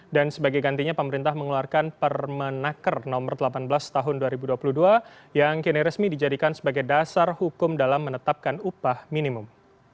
dan sebagai gantinya pemerintah mengeluarkan permenaker no delapan belas tahun dua ribu dua puluh dua yang kini resmi dijadikan sebagai dasar hukum dalam menetapkan upah minimum